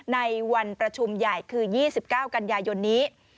ในวันประชุมใหญ่คือ๒๙กันยายนนี้